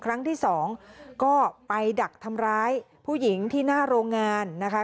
ครั้งที่สองก็ไปดักทำร้ายผู้หญิงที่หน้าโรงงานนะคะ